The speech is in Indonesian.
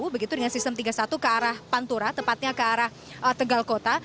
begitu dengan sistem tiga puluh satu ke arah pantura tepatnya ke arah tegal kota